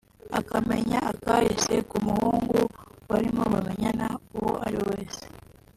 akamenya akahise k’umuhungu barimo bamenyana uwo ari we wese